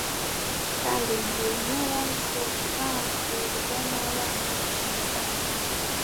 kandi ntiwemera guhambirwa nabana mungana